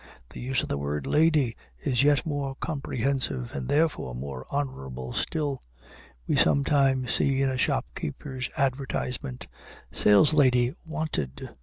The use of the word "lady" is yet more comprehensive, and therefore more honorable still; we sometimes see, in a shopkeeper's advertisement, "Saleslady wanted."